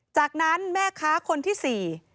จากนั้นแม่ค้าคนที่สี่